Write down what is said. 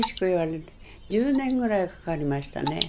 １０年ぐらいかかりましたね。